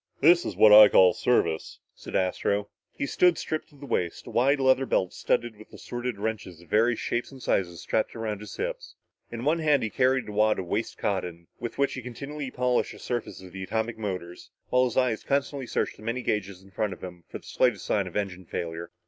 "This is what I call service," said Astro. He stood stripped to the waist, a wide leather belt studded with assorted wrenches of various shapes and sizes strapped around his hips. In one hand he carried a wad of waste cotton with which he continually polished the surfaces of the atomic motors, while his eyes constantly searched the many gauges in front of him for the slightest sign of engine failure.